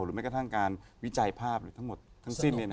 หรือแม้กระทั่งการวิจัยภาพทั้งหมดทั้งสิ้นเลยนะฮะ